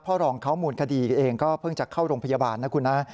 รองเขามูลคดีเองก็เพิ่งจะเข้าโรงพยาบาลนะคุณนะ